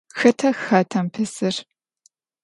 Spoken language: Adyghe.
Xeta xatem pesır?